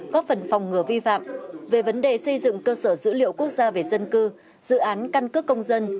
góp phần phòng ngừa vi phạm về vấn đề xây dựng cơ sở dữ liệu quốc gia về dân cư dự án căn cước công dân